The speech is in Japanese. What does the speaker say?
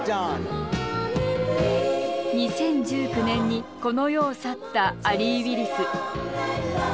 ２０１９年にこの世を去ったアリー・ウィリス。